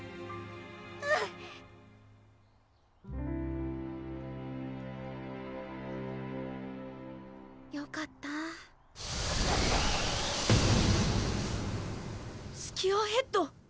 うん！よかったスキアヘッド！